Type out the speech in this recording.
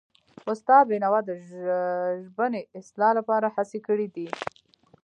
استاد بینوا د ژبني اصلاح لپاره هڅې کړی دي.